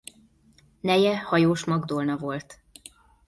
Neje Hajós Magdolna volt.